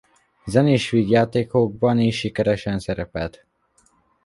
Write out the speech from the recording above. Zenés vígjátékokban is sikeresen szerepelt.